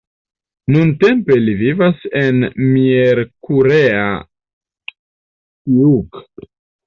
Nuntempe li vivas en Miercurea Ciuc.